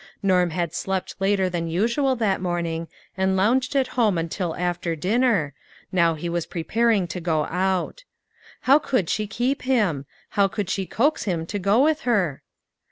Norm had slept later than usual that morning, and lounged at home until after dinner; now he was prepar ing to go out. How could she keep him? How could she coax him to go with her?